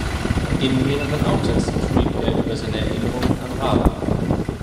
In mehreren Aufsätzen schrieb er über seine Erinnerungen an Raabe.